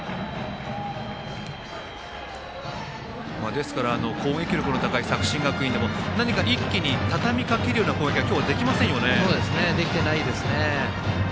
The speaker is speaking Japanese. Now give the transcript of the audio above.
ですから攻撃力の高い作新学院でも何か一気にたたみかけるような攻撃ができてないですね。